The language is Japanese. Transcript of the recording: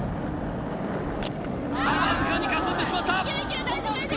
わずかにかすってしまった続く